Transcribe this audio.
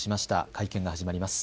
会見が始まります。